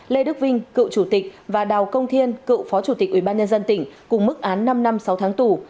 lê đức vinh cựu chủ tịch và đào công thiên cựu phó chủ tịch ủy ban nhân dân tỉnh cùng mức án năm năm sáu tháng tù